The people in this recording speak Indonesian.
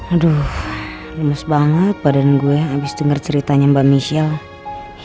aduh lemes banget badan gue abis denger ceritanya mbak michelle